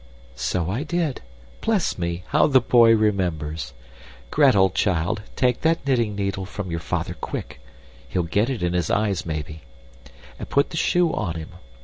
"So I did. Bless me! how the boy remembers! Gretel, child, take that knitting needle from your father, quick; he'll get it in his eyes maybe; and put the shoe on him.